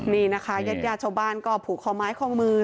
นี่นะคะยัดยาชบานก็ผูกของไม้ของมือ